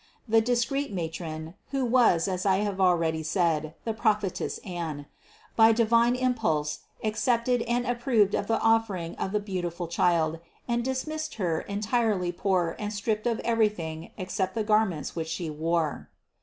The dis creet matron, (who was, as I have already said, the prophetess Anne) by divine impulse accepted and ap proved of the offering of the beautiful Child and dis missed Her entirely poor and stripped of everything ex cept the garments which She wore.